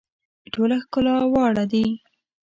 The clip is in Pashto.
ټوله ښکلا واړه دي.